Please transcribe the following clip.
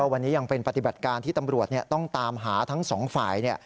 วันนี้ยังเป็นปฏิบัติการที่ตำรวจต้องตามหาทั้งสองฝ่าย